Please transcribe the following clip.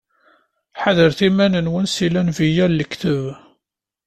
Ḥadret iman-nwen si lenbiya n lekdeb!